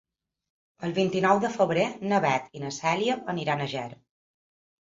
El vint-i-nou de febrer na Beth i na Cèlia iran a Ger.